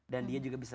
dan dia juga bisa